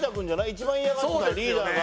一番嫌がってたリーダーが。